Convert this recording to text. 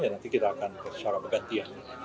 nanti kita akan secara bergantian